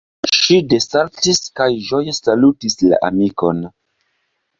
Ŝi desaltis kaj ĝoje salutis la amikon: